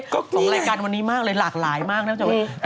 ก็ของรายการวันนี้มากเลยหลากหลายมากนอกจาก